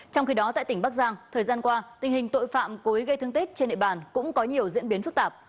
trong khi đó tại tỉnh bắc giang thời gian qua tình hình tội phạm cố ý gây thương tích trên địa bàn cũng có nhiều diễn biến phức tạp